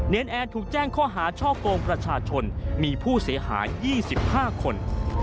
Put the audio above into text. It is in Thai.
นแอร์ถูกแจ้งข้อหาช่อกงประชาชนมีผู้เสียหาย๒๕คน